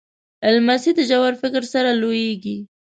لمسی له ژور فکر سره لویېږي.